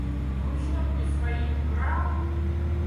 Ручонки свои убрал!